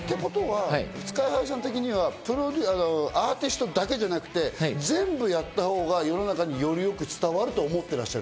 ＳＫＹ−ＨＩさん的にはアーティストだけじゃなくて全部やったほうが世の中によりよく伝わると思ってらっしゃる？